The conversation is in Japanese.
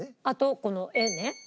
あとこの絵ね。